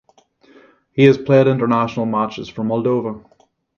He has played international matches for Moldova.